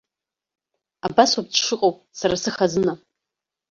Абас ауп дшыҟоу сара сыхазына!